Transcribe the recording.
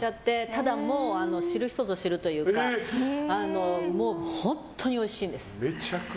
ただ知る人ぞ知るというか本当においしいんです。